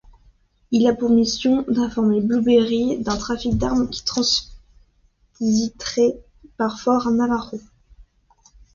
Il a pour mission d'informer Blueberry d'un trafic d'armes qui transiteraient par fort Navajo.